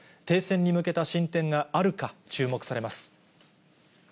停戦に向けた進展があるか、注目されます。